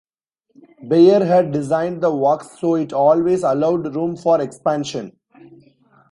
Beyer had designed the works so it always allowed room for expansion.